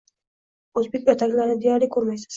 o‘zbek ertaklarini deyarli ko‘rmaysiz